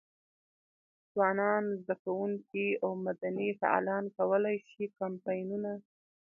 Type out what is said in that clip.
ځوانان، زده کوونکي او مدني فعالان کولای شي کمپاینونه.